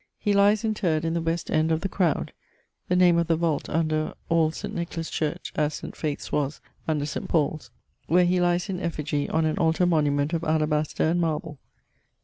He lies interred in the west end of the 'Crowd' (the name of the vault under all St. Nicholas Church, as St. Faith's was under St. Paule's), where he lies in effigie on an altar monument of alabaster and marble.